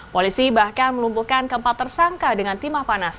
polisi bahkan melumpuhkan keempat tersangka dengan timah panas